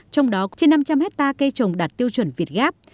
trong đó trên năm trăm linh hectare cây trồng đạt tiêu chuẩn việt gáp